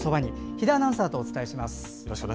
比田アナウンサーとお伝えします。